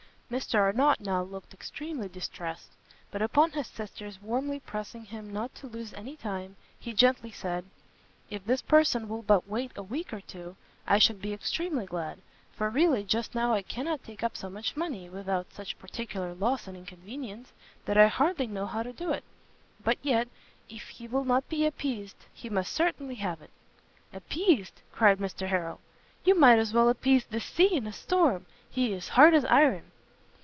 Mr Arnott now looked extremely distressed; but upon his sister's warmly pressing him not to lose any time, he gently said, "If this person will but wait a week or two, I should be extremely glad, for really just now I cannot take up so much money, without such particular loss and inconvenience, that I hardly know how to do it: but yet, if he will not be appeased, he must certainly have it." "Appeased?" cried Mr Harrel, "you might as well appease the sea in a storm! he is hard as iron."